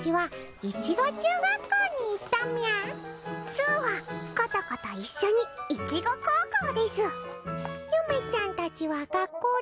すうはことこと一緒に一五高校です。